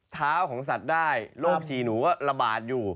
ของสัตว์ได้โรคชีหนูก็ระบาดอยู่